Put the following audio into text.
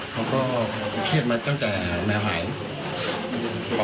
ที่โรงเรียนก็มีปัญหาใช่ไหมคะ